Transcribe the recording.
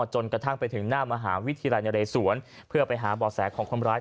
จนกระทั่งไปถึงหน้ามหาวิทยาลัยนเรศวรเพื่อไปหาบ่อแสของคนร้าย